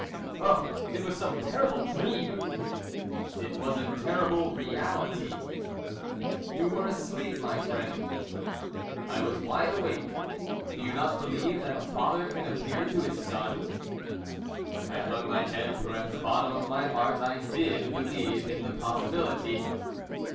"Oh, it was some terrible dream!" "It was a terrible reality." "You were asleep, my friend." "I was wide awake. Do you not believe that a father can appear to his son?" I hung my head, for at the bottom of my heart I did believe in the possibility.